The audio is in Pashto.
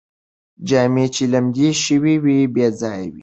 جامې چې لمدې شوې وې، بې ځایه وې